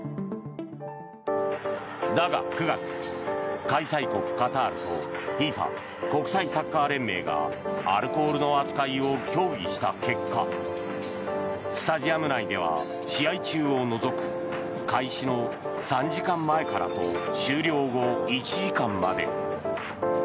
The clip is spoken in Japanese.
だが９月、開催国カタールとＦＩＦＡ・国際サッカー連盟がアルコールの扱いを協議した結果スタジアム内では、試合中を除く開始の３時間前からと終了後１時間まで。